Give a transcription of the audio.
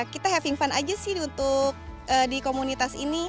kita having fun aja sih untuk di komunitas ini